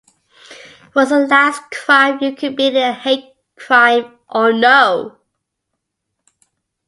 Was the last crime you committed a hate crime, or no?